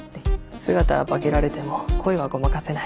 姿は化けられても声はごまかせない。